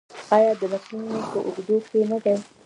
آیا د نسلونو په اوږدو کې نه دی؟